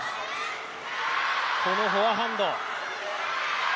このフォアハンド。